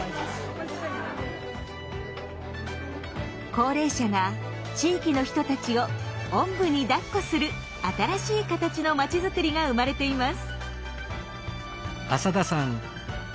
高齢者が地域の人たちを「おんぶにだっこ」する新しい形の町づくりが生まれています。